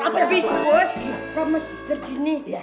tapi bos sama si seterji ini